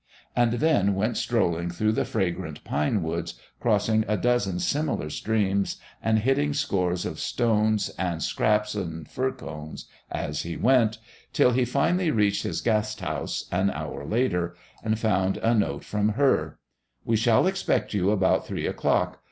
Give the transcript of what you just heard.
and then went strolling through the fragrant pine woods, crossing a dozen similar streams, and hitting scores of stones and scraps and fir cones as he went till he finally reached his Gasthaus an hour later, and found a note from her: "We shall expect you about three o'clock.